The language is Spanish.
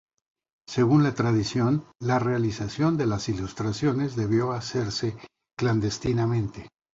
Según la tradición, la realización de las ilustraciones debió hacerse clandestinamente.